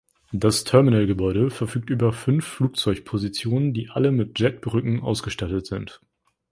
Das Terminalgebäude verfügt über fünf Flugzeugpositionen, die alle mit Jet-Brücken ausgestattet sind.